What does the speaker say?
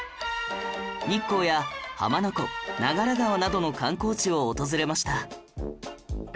日光や浜名湖長良川などの観光地を訪れました